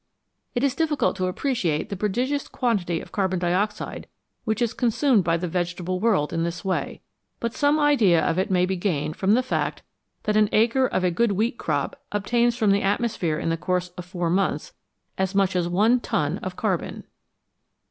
It is difficult to appreciate the prodigious quantity of carbon dioxide which is consumed by the vegetable world in this way, but some idea of it may be gained from the fact that an acre of a good wheat crop obtains from the atmosphere in the course of four months as much as 1 ton of carbon.